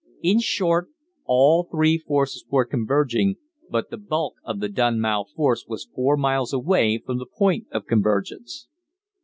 In short, all three forces were converging, but the bulk of the Dunmow force was four miles away from the point of convergence.